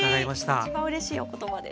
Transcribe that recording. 一番うれしいお言葉です。